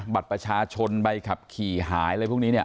บัตรประชาชนใบขับขี่หายอะไรพวกนี้เนี่ย